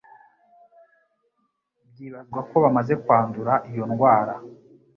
byibazwa ko bamaze kwandura iyo ndwara,